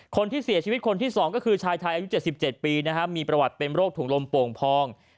คนที่เสียชีวิตคนที่๒ก็คือชายไทยอายุ๗๗ปีมีประวัติเป็นโรคถุงลมโป่งพอง